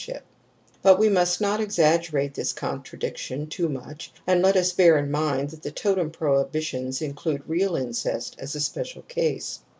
P But we must not exaggerate this contradiction too much, and let us bear in mind that the totem prohibitions include real incest as a special case.